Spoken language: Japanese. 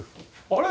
あれ？